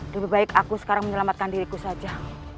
lebih baik aku sekarang menyelamatkan diriku saja